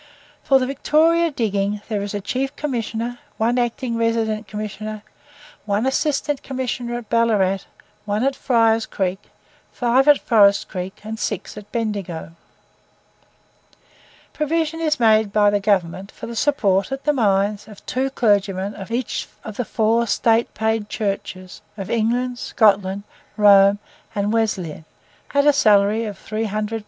For the Victoria diggings, there is a Chief Commissioner, one Acting Resident Commissioner; one Assistant Commissioner at Ballarat, one at Fryer's Creek, five at Forest Creek, and six at Bendigo. Provision is made by Government for the support, at the mines, of two clergymen of each of the four State paid churches of England, Scotland, Rome, and Wesleyan, at a salary of 300 pounds a year.